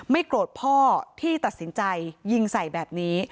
โกรธพ่อที่ตัดสินใจยิงใส่แบบนี้